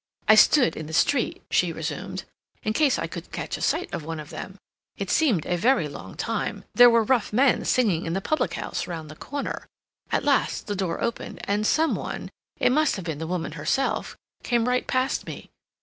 "I stood in the street," she resumed, "in case I could catch a sight of one of them. It seemed a very long time. There were rough men singing in the public house round the corner. At last the door opened, and some one—it must have been the woman herself—came right past me.